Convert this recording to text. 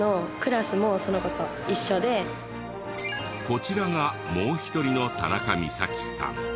こちらがもう一人の田中美咲さん。